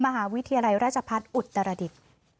ก็จะผ่านอุตรดิบ